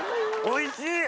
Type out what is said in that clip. おいしい！